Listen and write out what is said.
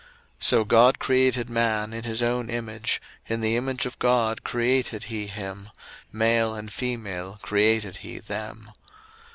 01:001:027 So God created man in his own image, in the image of God created he him; male and female created he them.